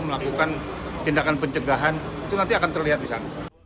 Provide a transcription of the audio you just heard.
melakukan tindakan pencegahan itu nanti akan terlihat di sana